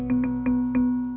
jadi bagiin aba jako